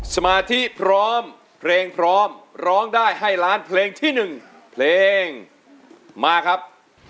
สมาธิพร้อมเพลงพร้อมร้องได้ให้ล้านเพลงที่๑เพลงมาครับ